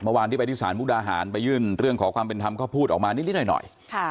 เมื่อวานที่ไปที่สารมุกดาหารไปยื่นเรื่องขอความเป็นทำก็พูดออกมานิดนิดหน่อยหน่อยค่ะ